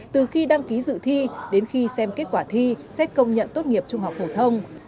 từ khi đăng ký dự thi đến khi xem kết quả thi xét công nhận tốt nghiệp trung học phổ thông